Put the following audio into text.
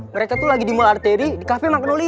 mereka tuh lagi di mall arteri di cafe magnolia